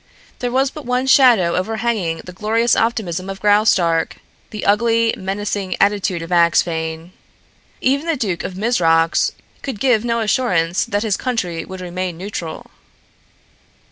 There was but one shadow overhanging the glorious optimism of Graustark the ugly, menacing attitude of Axphain. Even the Duke of Mizrox could give no assurance that his country would remain neutral.